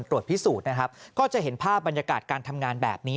ตรวจพิสูจน์นะครับก็จะเห็นภาพบรรยากาศการทำงานแบบนี้